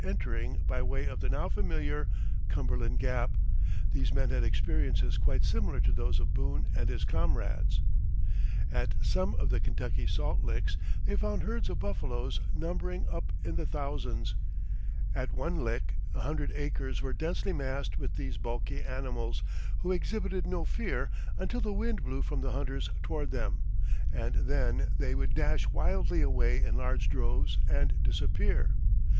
Entering by way of the now familiar Cumberland Gap, these men had experiences quite similar to those of Boone and his comrades. At some of the Kentucky salt licks they found herds of buffaloes numbering up in the thousands at one lick a hundred acres were densely massed with these bulky animals, who exhibited no fear until the wind blew from the hunters toward them, and then they would "dash wildly away in large droves and disappear."